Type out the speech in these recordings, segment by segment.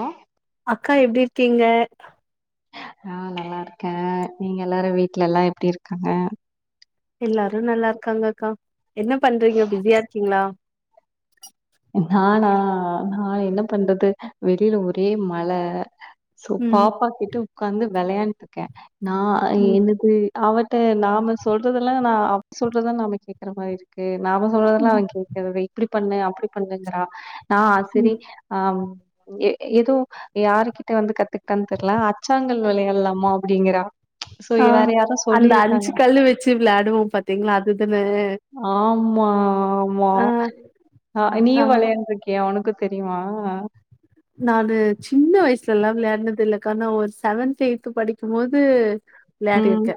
அஹ் அக்கா எப்டி இருக்கீங்க ஆ நல்லா இருக்கே நீங்க எல்லாரு வீட்ல எல்லா எப்டி இருக்காங்க எல்லாரு நல்லாருக்காங்க அக்கா என்ன பண்றீங்க பிஸியா இருக்கீங்ளா நானா நா என்ன பண்டது வெளில ஒரே மழ சொ ம் பாப்பா கிட்டும் உக்காந்து வெளையாண்ட்டுக்கே. நா ம் என்னுது அவட்ட நாம சொல்றதெல்லா ந அவ சொல்றதா நாம கேக்ற மாரி இருக்கு நாம சொல்றதல்லா ம் அவிங் [unintelligible] இப்டிப் பண்ணு அப்டிப் பண்ணுங்கறா ஆ செரி ம் ஆம் எ எதோ யாருகிட்ட வந்து கத்துக்கிட்டான் தெர்ல அச்சாங்கல் வெளையால்லாமா அப்டிங்கிறா சோ ஆ வேற யாரோ அந்த சொல்லிருக்காங்க அஞ்சு கல்லு வெச்சு விளாடுவோம் பாத்தீங்களா அதுதான ம்மா ஆமா ஆ ஆ நீயு வெளயாண்டுருக்கியா உனக்கு தெரியுமா அ நா அது சின்ன வயசுல எல்லா விளயாட்னது இல்லக்கா நா ஒரு சவன்த் எய்த் படிக்கும் போது விளையாடி ம். இருக்கே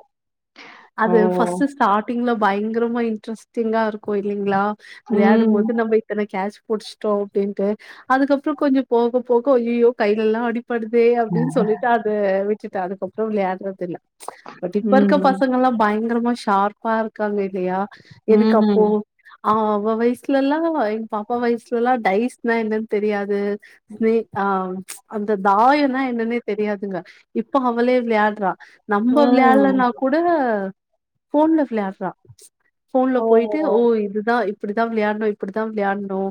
ஓ! அது ஃபஸ்ட்டு ஸ்டாட்டிங்லப் பயங்கரமா இன்ட்ரெஸ்டிங்கா இருக்கு இல்லிங்ளா விளையாடும் ம். போது நம்ம இத்தன கேச் புடிச்ட்டோ அப்டின்ட்டு அதுக்கப்றோ கொஞ்சோ போக போக அய்யயோ கைலெல்லா அடி ப்படுதே அப்டின் சொல்லிட்டு அத விட்டுட்டே அதுக்கப் சொ விளயாட்றதில்ல பட் இப்ப இருக்க ம். பசங்க எல்லா பயங்கரமா ஸ் ஷார்ப்பாருக்காங்க இல்லியா ம். எதுக்கு அப்போ அவவ் வயசில எல்லா எங் பாப்பா வயசில எல்லா டைஸ்னா என்னன் தெரியாது ஸ்வே அ அந்த தாயன்னா என்னன்னே தெரியாதுங்க இப்போ அவளே விளையாட்றா நம்ம ம். விளையால்லனா கூட ஃபோன்ல விளயாட்றா ஃபோன்ல ஓ! போய்ட்டு ஓ இதுதா இப் இப்பிடித்தா விளையாட்ணு இப்பிடித்தா விளையாட்ணு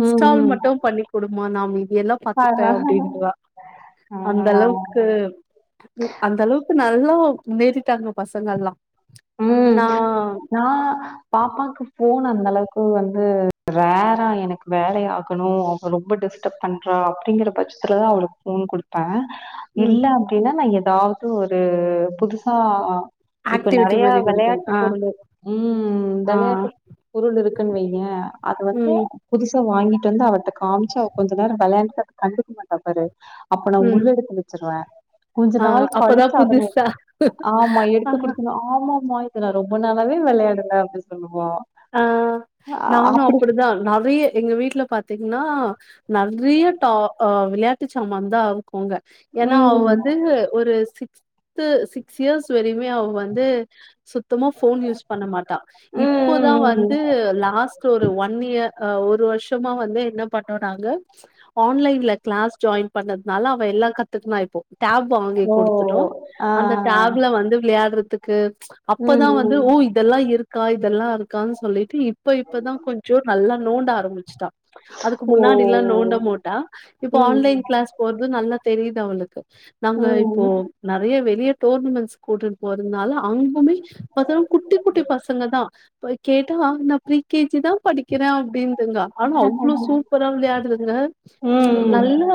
ம். ம். மட்டும் பண்ணி குடும் மா நாமி எல்லா பாத்துக்கிட்டே ஆஹா! அப்படின்றா ஆ. அந்த அளவுக்கு கு அந்த அளவுக்கு இப்ப நல்லா முன்னேறிட்டாங்க பசங்க எல்லா உம் நான் பாப்பாக்கு போன் அந்த அந்தளவுக்கு வந்து ரேரா எனக்கு வேலை ஆகணும் அவ ரொம்ப டிஸ்டர்பப் பண்ணுறா அப்படிங்கிற பட்சத்தில் தான் அவளுக்கு போன் கொடுப்பேன் ம் இல்ல அப்படின்னா நான் எது அதாவது ஒரு புதுசா ஆக்டிவே நெறையா விளையாட்டு பொருள் உம் ஆ விளையாட்டு பொருள் இருக்குன்னு வையே அது வந்து ம் புதுசு வாங்கிட்டு வந்து அவிட்ட காமிச்சு அவ கொஞ்ச நேரம் விளையாண்டுட்டு கண்டுக்க மாட்டா பாரு அப்ப நான் ம் உள்ள எடுத்து வச்சிருவேன் கொஞ்ச ஆ நாள் கழிச்ச அப்பதான் அதனே புதுசா ஆமா ஆ எடுத்துக்குடு ஆமா மா இது நான் ரொம்ப நாளாவே விளையாடுரே அப்படின் சொல்லு ஆஹ் நானும் அப்படிதான் நெறைய எங்க வீட்டுல பாத் தீங்ன்னா நெறைய டா விளையா சமாந்தவ் க்குங்க ஏன்னா அவ ம் வந்து ஒரு சிஸ் த்து சிக்ஸ் இயர்ஸ் வெரை மே அவ வந்து சுத்தமா போன் யூஸ் பண்ண மாட்டா ம் இப் தா ம் ம் வந்து லாஸ்ட் ஒரு ஒன் இயர் ஆ ஒரு வருஷமா வந்து என்ன பண்ணோ நாங்க ஆன்லைன்ல கிளாஸ் ஜாயின் பண்ணதுனால அவ எல்லா கத்துக்குனா இப்போ டேப் வாங்கி ஓ கொடுத்துட்டோம் ஆ அந்த டேப்ல வந்து விளையாடுற த்துக்கு ச்சு ம் அப்பதான் வந்து ம் ஓ இதெல்லா இருக்கா இதெல்லா இருக்கான்னு சொல்லிட்டு பி இப்ப இப்பதான் கொஞ்சோ நல்லா நோண்ட ஆரம்பிச்சுட்டா அதுக்கு ஓ முன்னாடி எல்லா நோண்ட மோட்டா இப்ப ம் ஆன்லைன் கிளாஸ் போறது நல்லா தெரியுது அவளுக்கு நாங்க இப்போ ம் நெறைய வெளியே டோர்னமென்ட்ஸ் கூட்டுட்டு போறதுனால அங்குமே இப்பதான் குட்டி குட்டி பசங்க தான் போய் கேட்டா ந பிரீ கே ஜி தான் படிக்கிறே அப்டின்துங்க ஆனா அவ்ளோ சூப்பரா விளையாடுதுங்க ம் ம் நல்ல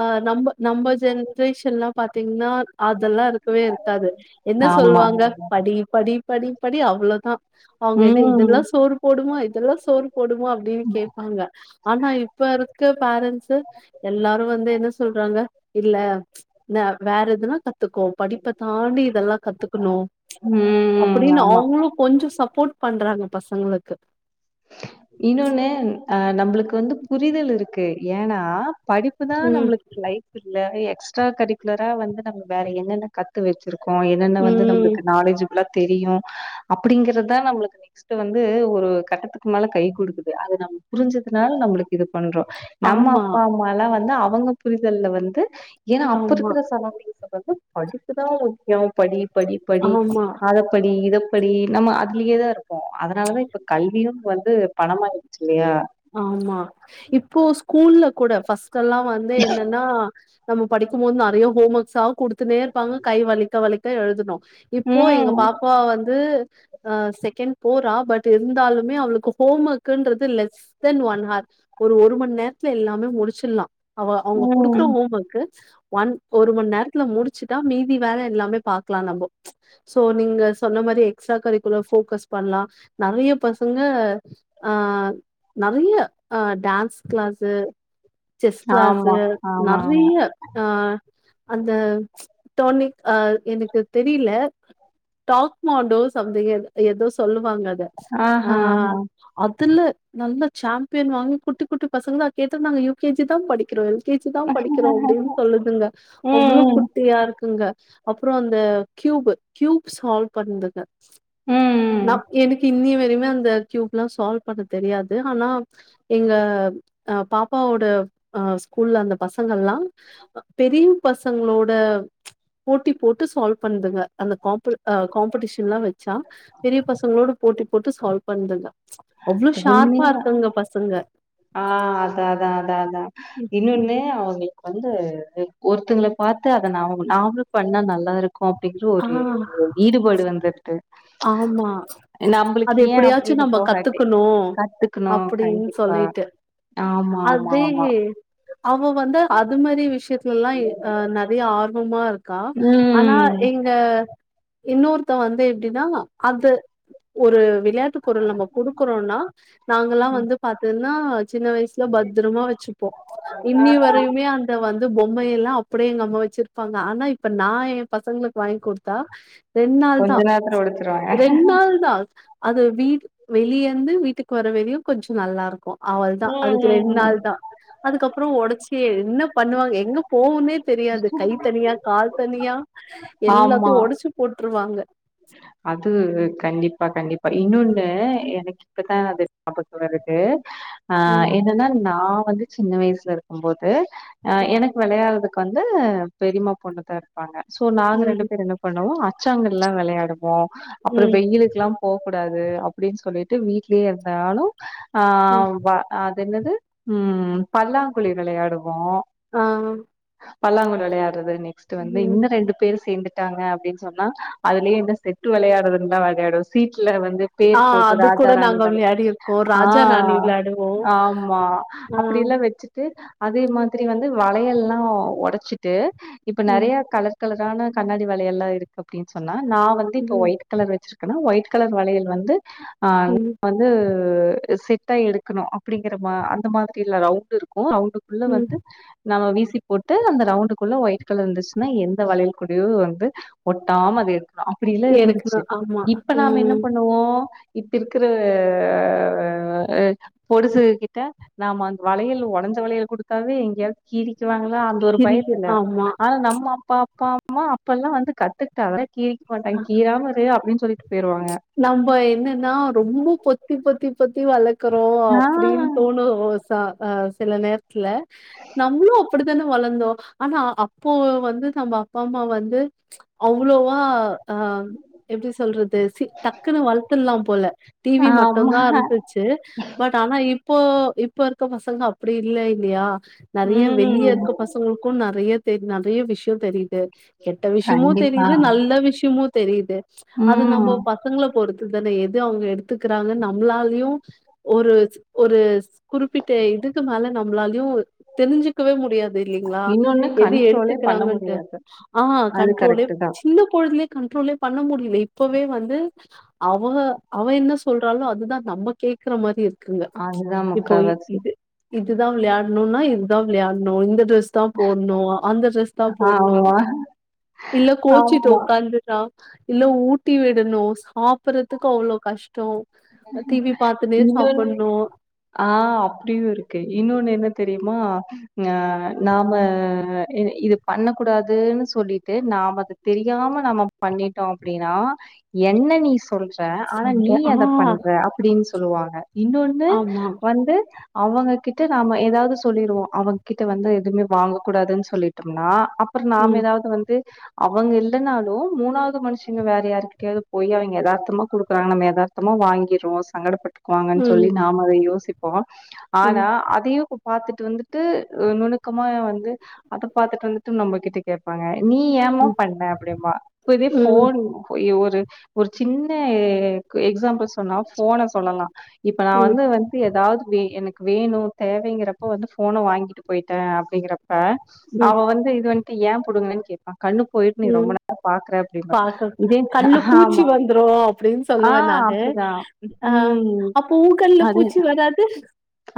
அ நம்ப நம்ப ஜென்ரேஷன்லா பாத்தீங்கன்னா அதெல்லா இருக்கவே இருக்காது என்ன ஆமா சொல்லுவாங்க படி படி படி படி அவ்வளோதா அவங்க என்ன இதெல்லா ம். சோறு போடுமாோ இதெல்லா சோறு போடுமா அப்டின்னு கேப்பாங்க ஆனா இப்ப இருக்க பேரண்ட்ஸ் எல்லாரு வந்து என்ன சொல்றாங்க இல்ல நா வேற எதுனா க த்துக்கோ படிப்ப தாண்டி இதெல்லா கத்துக்கணு ம். அப்டின்னு ஆமாமா. அவங்களு கொஞ்சோ சப்போர்ட் பண்றாங்க பசங்களுக்கு இன்னோன்னு ஆ, நம்மளுக்கு வந்து புரிதல் இருக்கு, ஏன்னா படிப்புதா ம் நம்பளுக்கு லைஃப் இல்ல எ க்ஸ்ட்ரா கரிக்குலரா வந்து நம்ம வேற என்னென்ன கத்து வெச்சிருக் கோ என்னென்ன வந்து ம். நம்மளுக்கு நாலேஜிபில்லா தெரியு அப்டிங்கறதா நம்மளுக்கு நெக்ஸ்ட்ட் வந்து ஒரு கட்டத்து க்குமேல கை குடுக்குது அது நமக்கு புரிஞ்சதுனால நம்மளுக்கு இது பண்றோ நம்ம ஆமா அப்பா அம்மாலா வந்து அவ அவங்க புரிதல்ல வந்து ஏன்னா அப்ப ஆமா இருக்கிற சரவுண்டிங்ல வந்து படிப்புதா முக்கியோ படி படி படி ஆமா. அத படி இதப் படி நம்ம அதுலேதா இரு ப்போ அதனாலதா இப்ப கல்வியு வந்து பணமா வெச்சுருவியா ஆமா இப்போ ஸ்கூல்ல கூட ஃபஸ் கல்லா வந்து என்னன்னா நம்ம படிக்கும்போது நறைய ஹோம் ஒர்கஸ்ஸ குடுத்துன்னே இருப்பாங்க கை வலிக்க வலிக் [unintelligible] எழுதணு இப்போ ம் எங்க பாப்பா வந்து அ செகண்ட் போறா பட் இருந்தாலுமே அவளுக்கு ஹோம் ஒர்க்குன்றது லெஸ் தென் ஒன் ஹார் ஒரு ஒரு மண் நேரத்துல எல்லாமே முடிச்சிடலா அவ அவுங்க குடுக்கற ம் ஹோம் ஒர்க்கு ஒன் ஒரு மண் நேரத்துல முடிச்சுட்டா மீதி வேல எல்லாமே பாக்கலா நம்போ சோ நீங்க சொன்ன மாரி எக்ஸ்ட்ரா கரிக்குலர் போக்கஸ் பண்ணலா நறைய பசங்க ஆ நறைய அ டேன்ஸ் கிளாஸு செஸ் கிளாஸு ஆமா ஆமா ஆமா நறைய அ அந்த டோனிக் அ எனக்கு தெரில டாக்மாண்டோஸ் [unintelligible] எதோ சொல்லு வாங்காத ஆஹா ஆ தில்லு நல்ல சாம்பியன் வாங்கி குட்டி குட்டி பசங்களா கேட்டு நாங்க யுகேஜி தான் படிக்கிறோம் கேஜி தான் படிக்கிறோம் ஆஹா அப்படின்னு சொல்லுதுங்க அவ்வளவு ம் குட்டியா இருக்குங்க அப்புறம் அந்த கியூப் கியூப் சால்வ் பண்ணதுங்க ம் ம் நாக் எனக்கு இன்னிய வரைக்கு எப்பயுமே அந்த கியூப் எலாம் சால்வ் பண்ணது தெரியாது ஆனா எங்க ஹ அ பாப்பாவோட அஹ ஸ்கூல்ல அந்த பசங்க எல்லாம் பெரிய பசங்களோட போட்டி போட்டு சால்வ் பண்ணதுங்க அந்த காம்பு அ காம்படிஷன் எலாம் வச் ஷா பெரிய பசங்களோடு போட்டி போட்டு சால்வ் பண்துங்க உண்மையா ஆஹ் அதான் அதா அதா அதான் ம். இன்னொன்னு அவங்க வந்து ஒருத்தங்களை பார்த்து அத நாம நாமளும் பண்ணா நல்லா இருக்கு அப்படிங்கற ஆ ஒரு ஈடுபாடு வந்துருட்டு ஆமா அது எப்படியாச்சும் நம்ம கத்துக்கணும் கத்துக்குணு கண்டிப்பா ஆமா ஆமா அதே ஆமா அவ வந்து அது மாரி விஷயத் லல்லா அ நறைய ஆர்வமா இருக்கா ஆனா ம் எங்க இன்னொருத்தவ வந்து ப்டிதா அது ஒரு விளையாட்டு பொருள் நம்ம குடுக்குறோன்னா நாங்கல்லா வந்து பாத்து நா சின்ன வயசுல பத்ரமா வெச்சிப்போ ஆ. இன்னிய வரையுமே அந்த வந் து பொம்மைைய எல்லா அப்டியே எங்க அம்மா வெச்சிருப்பாங்க ஆனா இப்ப நா ஏ பசங்ளுக் வாய்ங் குடுத்தா ரெண் நாள் கொஞ்ச தா நேரத்துல ஒடச்சிருவாங்க ரெண் நாள் தா அது வீட் வெளியேந்து வீட்டுக்கு வர வெரியு கொஞ்சொ நல்லா இருக்கு அவ்வள்தா ம் அதுக்கு ம் ரெண் ம் நாள் தா அதுக்கப்றொ ஒடச்சியே என்ன பண்ணுவாங்க எங்க போவுன்னே தெரியாது கை தனியா கால் தனியா ஆமா. எல்லாத்தையு ஒடச்சு போட்ருவாங்க அது கண்டிப்பா கண்டிப் ப இன்னொன்னு எனக்கு இப்பதா அது ஞாபகொ வருது ஆஹ் ம் என்னன்னால நா வந்து சின்ன வயசுல இருக்கும் போது ஆஹ் ம் எனக்கு வெளையாடுதுக் வந்து பெரியமா பொண்ணு தரு ப்பங்க சோ நாங்க ம் ரெண்டு பேர் என்ன பண்ணுவோ ச்சாங்கெல்லா வெளை கடுப் போ அப்புறோ ம் வெயிலுக்கு எல்லா போ கூடாது அப்டின்னு சொல்லிட் ட்டு வீட்லேயே இருந்தாலு ம் ஆஹ் வ அ தென்னது உம் பல்லாங்குழி வெளையாடுவோ ஆஹ் பல்லாங்குழி வெளையா அது நெக்ஸ்ட் வந்து இன்னு ரெண்டு பேர் சேர்ந் ட்டாங்க அப்டின்னு சொன்னா அதுலயே செட்டு வெளையாடுது தா வெளையாடு சீட் கீழ வந்து ஆ பேர் போட்டு அது ராஜ கூட ராணி நாங்க [unintelligible] விளையாடிருக்கோ ராஜா ராணி ஆஹ் விளையாடுவோ ஆமா ஆ அப்டியெல்லா வெச்சுட்டு அதே மாதிரி வந்து வளையெல்லா ஒடச்சிட்டு இப்ப ம் நறையா கலர் கலரான கண்ணாடி வளையல்லா இருக்கு அப்டின் சொன்னா நா வந்து இப்போ ம் ஒய்ட் கலர் வச்சிருக்கன்னா ஒய்ட் கலர் வளையல் வந்து ஆ ம் வந்து ஊ சிட்டா எடுக்கணு அப்டிங்கெற மா அந்த மாதிரி இல்ல ரவுண்டு இருக் கு ரௌண்டுக்குள்ள ம் வந்து நம்ம வீஸ் சிப் போட்டு அந்த ரௌண்டுக்குள்ள ஒய்ட் கலர் இந்துச்சுன்னா எந்த வளையல் குடியு வந்து ஒட்டாம அது எடுக்குணு அப்டீல இருக்குதா இருந்துச்சு ஆமா இப்ப நாம என்ன ம் பண்ணுவோ இப்ப இருக்குற பொடிசு கிட்ட நாம அந்த வளையல் ஒடஞ்ச வளையல் குடுத்தாவே எங்கேயாவ்து கீறி ச்சுவாங்களா அந்த ஒரு இருக்கு பயத்துல ஆமா ஆனா நம்ம அப்பா பா மா அப்பல்லா வந்து கத்துக்கிட்டாவ வர கீ நம்போ என்னன்னா ரொம்பொ பொத்திப் பொத்தி பொத்தி வளக்குறோ ஆ அப்டின் தோணு [unintelligible] சா ஆ சில நேர்த்லே நம்ளூ அப்பிடித்தேனே வளந்தோ ஆனா அப்போ வந்து சம்மே அப்பாமா வந்து ச்சக் அவ்ளோவா ஆம் எப்டி சொல்றது சி டக்குனு வள்த்துல்லா போலே டி வி ஆமா மட்டுந்தா இருந்துச்சு பட் ஆனா இப் இப்போ இப்ப இருக்க பசங்க அப்டி இல்ல இல்லையா நெறைய வெளிய ம் இருக்க பசங்களுக்கும் நெறைய தெரி நெறையா விஷயோ தெரியுது. கெட்ட விஷயமு கண்டிப்பா தெரியுது நல்ல விஷய [unintelligible] தெரியுது அது ம் நம்போ பசங்கள பொறுத்து தான எது அவுங்க எடுத்துக்குறாங்க நம்மளாலையு ஒரு ஒரு குறிப்பிட்ட இதுக்கு மேல நம்மளாலையு தெரிஞ்சுக்கவே முடியாது. இது இல்லிங்களா இன்னொன்னு எது கண்ட்ரோலே பண்ண எடுத்துக்கிறாங்கன்டு முடியாது ஆ அது கண்ட்ரோலே கரெக்ட் தா சின்ன கொழந்த கண்ட்ரோலே பண்ண முடியல இப்பவே வந்து அவ அவ என்ன சொல்றாலோ அதுதா நம்ம கேக்குற மாதிரி இருக்கு. இருக்குங்க அதுதா இப்போ இது முக்காவாசி இது இதுதா விளாயாடணுன்னா இதா விளாடணும் இந்த ஃட்ரஸ் தா போடனு அந்த ஃட்ரஸ்தா போடனு ஆமா இல்ல கோச்சுட்டு ஆமா உக்காந்து இல்ல ஊட்டி விடணு சாப்புறதுக்கு அவ்ளோ கஷ்டோ இன்னொன்னு ஆ அப்டியு இருக்கு இன்னொன்னு என்ன தெரியுமா ஆ நாம இது பண்ண கூடாதுன்னு சொல்லிட்டு நாம தெரியாம நாம பண்ணிட்டோ அப்டின்னா என்ன நீ சொ சொல்ற ஆனா சொல்ற நீ ஆ அதப் பண்ற அப்டின்னு சொல் சொல்லுவாங்க இன்னொன்னு ஆமா. வந்து அவங்க கிட்ட நாம ஏதாவது சொல்லிருவோ அவுங்ககிட்ட வந்து எதுவுமே வாங்க கூடாதுன்னு சொல்லிட்டோம்னா அப்பறோ நாம ம், எதாவது வந்து அவங்க இல்லனாலு மூணாவது மனுஷங்க வேற யாருகிட்டயாது போய்யா இங்க எதார்த்தமா குடுக்குறாங்க நம்ம எதார்த் மொத்தமா வாங்கிரே சங்கடப்பட்டுட் வாங்கன்னு சொல்லி ம், நாம அதை யோசி போ ஆனா ம், அதையு பாத்துட்டு வந்துட்டு நுணுக்கமா வந்து அத பாத்துட்டு வந்துட்டு நம்மகிட்ட கேப்பாங்க. நீ ஏமா ம், பண்ண அப்டிம்பா இப்ப இதே ம், போன் ஒரு ஒரு சின்ன எ எக்ஸாம்புள் சொன்னா போன சொல்லலா இப்ப நா ம், வந்து வந்து எதாவது எனக்கு வேணு தேவைங்கிறப்போ வந்து போன வாங்கிட்டு போயிட்ட அப்டிங்கறப்ப ப்ப அவ ம், வந்து இது வந் ஏ புடுங்குன கேப்பா கண்ணு போயிச்சு நீ ம். ரொம்ப நேரோ பாக்குற அப்டிங்க பாக்க இதே கண்ல பூச்சி ஆமா வந்துரு அப்டின்னு ஆ சொல்லுவே நானு அப்டிதா க் ஆ ம் அப்போ ஊ கண்ல அது பூச்சி வராது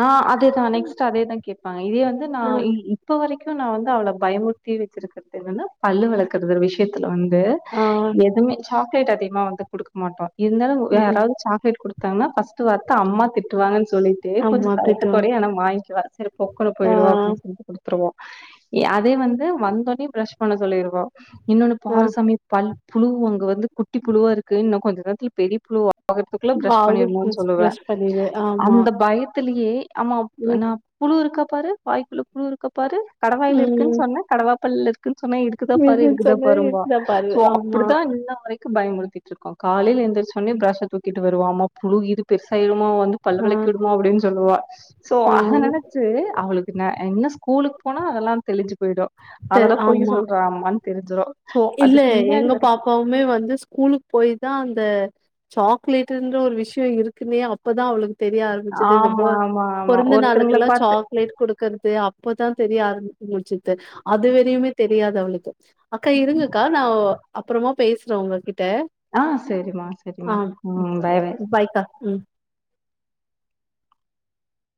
ஆ அதேதா நெக்ஸ்ட் அதேதா கேப்பாங்கே இதேயே வந்து நா ஆ இல் இப்போ வரைக்கு நா வந்து அவள பயிமுர்தீ [inaudible] பல்லு விலக்குற விஷயத்துல வந்து ஆ எதுவுமே சாக்லேட் அதிக சும்மா வந்து குடுக்க மாட்டோம் இர்ந்தாலு வு ம் வேராவ்து சாக்லேட் கொடு தமே ஃபர்ஸ்ட்டு வார்த்தே அம்மா திட்டுவாங்கேன் சொல்லிட்டே கொஞ்ச ஆமா திட்டுவாங்க தயக்கத்தோட ஆனா வாங்கிக்குவ சரி பொக்குனு ஆ போயிடுவா அப்டின் சொல்லிட்டு கொழ்த்துருவா அதே வந்து வந்தோனே பிரஸ் பண்ண சொல்லிருவா இன்னொன்னு ஆ பாரு சமீ பல் புழு அங்க வந்து குட்டி புழுவா இருக்கு இன்னும் கொஞ்ச நேரத்துல [unintelligible] பகத்துக்குள்ள பரஷ் ஆகு பண்ணிடுவேன்னு ப்ரஷ் சொல்லுவேன் ப்ரஷ் பண்ணிரு ஆமா அந்த பயத்திலயே அம்மா ம் நான் புழு இருக்க பாரு வாய்க்குள்ளே புழு இருக்கா பாரு கடவாயில்லிர்க்கின் ம் சொன்னே கடவாப்பல்லேலிரு குன் சொன்னா இருக்குதா பாரு இருக்குன்னு இருக்குதா சொன்னா பாரும்பா இருக்குதா பாரு சோ ஆமா அப்புடித்தா இந்நாவரை பயமுத்திட்டு இருக்கும் காலையில எந்திரச்சு உடனே பிரஷ தூக்கிட்டு வருவா புழு இருக்கு சய் அம்மா வந்து பல்லு ஆ விளக்கி விடுமா அப்படின்னு சொல்லுவா சோ ஆ அத நினைச்சு அவளுக்கு என்ன ஸ்கூலுக் போனா அதெல்லாம் தெளிஞ்சி போயிடும் அதெல்லா பொய் சொல்றா அம்மான்னு தெரிஞ்சி இல்லே எங்கே பாப்பாவுமே வந்து ஸ்கூலுக் போயி தான் அந்த சாக்லேட் என்ற ஒரு விஷயம் இருக்குனே அப்பதான் அவளுக் தெரியே ஆரம்மிச்சுது இந்த ஆமா [unintelligible] ஆமா ஆமா பொறந்தே ஒருத்தங்கள நாளுக்கெல்லா பாத்து சாக்லேட் கொடுக்கற்தே அப்பதான் தெரிய ஆரம்ப முச்சுது அதுவரையுமே தெரியாது அவளுக்கு அக்கா இருங்கக்கா நாவொ அப்பறமாப் பேசுற உங்க கிட் ஆ செரிமா செரிமா ம் பாய் பாய் பாய்க்கா ம்